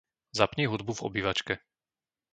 Zapni hudbu v obývačke.